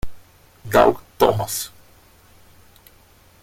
Doug Thomas